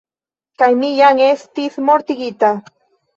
Kaj mi jam estis mortigita.